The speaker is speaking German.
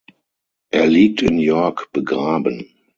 Er liegt in York begraben.